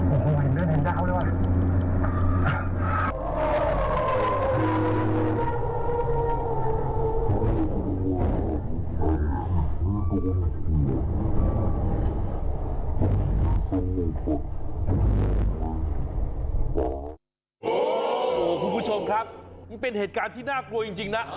โอ้โหคุณผู้ชมครับนี่เป็นเหตุการณ์ที่น่ากลัวจริงนะ